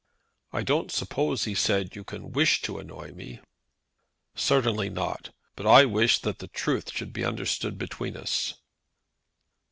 "I don't suppose," he said, "you can wish to annoy me." "Certainly not. But I wish that the truth should be understood between us."